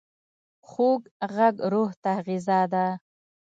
خوږ غږ روح ته غذا ده.